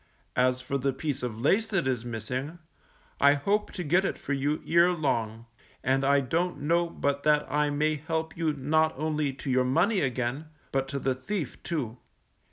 As for the piece of lace that is missing, I hope to get it for you ere long, and I don't know but that I may help you not only to your money again, but to the thief too.